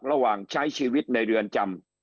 ระหว่างใช้ชีวิตในเรือนจำ